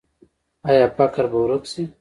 آیا فقر به ورک شي؟